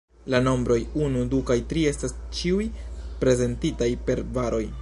La nombroj unu, du kaj tri estas ĉiuj prezentitaj per baroj.